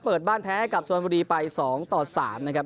เปิดบ้านแพ้กับสวรรค์บุรีไปสองต่อสามนะครับ